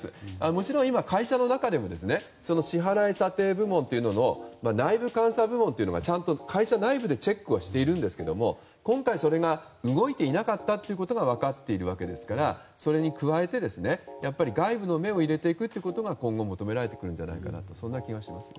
もちろん今、会社の中でも支払い査定部門の内部監査部門がちゃんと会社内部でチェックしていますが今回、それが動いていなかったことが分かっているわけですからそれに加えて外部の目を入れていくことが今後、求められてくる気がしますね。